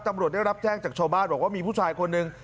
ตำรวจได้รับแจ้งจากชาวบ้านบอกว่ามีผู้ชายคนหนึ่ง